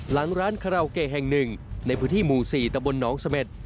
หลังร้านคาราโอเกะแห่งหนึ่งในพื้นที่หมู่๔ตะบนหนองเสม็ด